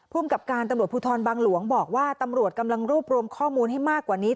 กับการตำรวจภูทรบางหลวงบอกว่าตำรวจกำลังรวบรวมข้อมูลให้มากกว่านี้